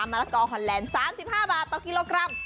มะละกอฮอนแลนด์๓๕บาทต่อกิโลกรัม